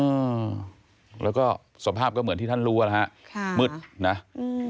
อืมแล้วก็สภาพก็เหมือนที่ท่านรู้อ่ะนะฮะค่ะมืดนะอืม